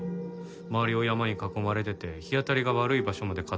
周りを山に囲まれてて日当たりが悪い場所まで買ってるし。